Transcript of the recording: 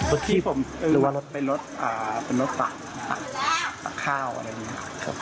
รถขีบผมเป็นรถตักข้าวอะไรอย่างนี้ครับ